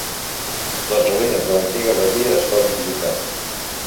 Les ruïnes de l'antiga abadia es poden visitar.